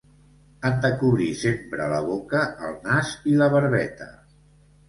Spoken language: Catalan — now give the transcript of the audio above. Han de cobrir sempre la boca, el nas i la barbeta.